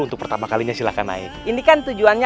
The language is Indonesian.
untuk pertama kalinya silahkan naik ini kan tujuannya